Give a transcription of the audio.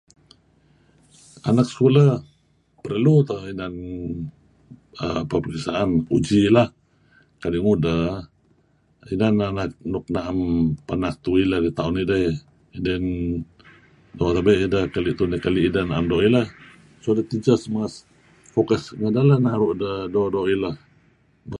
Anak sekolah perlu teh inan uhm pepriksaan. Uji lah. Kadi' ngudeh, inan anak nuk naem penak tuuh ileh taon ideh then doo' tabe' ideh keli' ideh naem doo' ileh. So the teachers must focus ngen ideh naru' ideh doo'-doo' ileh.